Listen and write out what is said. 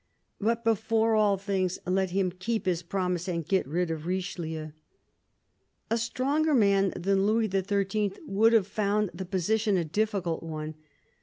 But before all things let him keep his promise and be rid of Richelieu. A stronger man than Louis XIIL would have found the position a difficult one.